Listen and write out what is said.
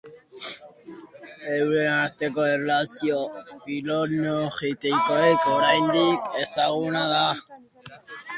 Euren arteko erlazio filogenetikoa oraindik ezezaguna da.